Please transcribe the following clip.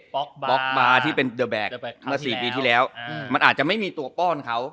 บล็อกบาร์ที่เป็นเมื่อสี่ปีที่แล้วอ่ามันอาจจะไม่มีตัวป้อนเขา